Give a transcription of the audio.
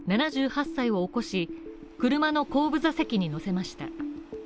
７８歳を起こし、車の後部座席に乗せました。